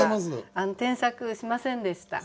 添削しませんでした。